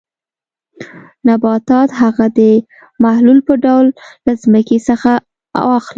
نباتات هغه د محلول په ډول له ځمکې څخه واخلي.